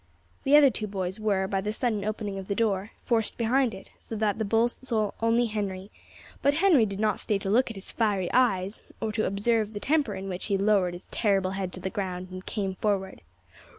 The other two boys were, by the sudden opening of the door, forced behind it, so that the bull only saw Henry; but Henry did not stay to look at his fiery eyes, or to observe the temper in which he lowered his terrible head to the ground and came forward.